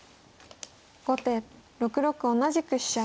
後手６六同じく飛車。